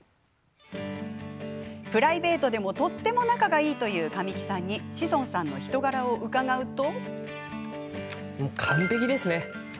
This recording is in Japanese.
プライベートでもとっても仲がいいという神木さんに志尊さんの人柄を伺うと。